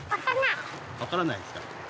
わからないですか？